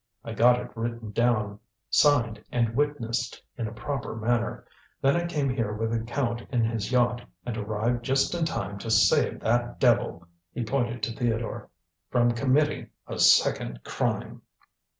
I got it written down, signed and witnessed in a proper manner. Then I came here with the Count in his yacht, and arrived just in time to save that devil," he pointed to Theodore, "from committing a second crime."